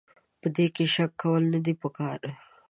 په دې کې شک کول نه دي پکار.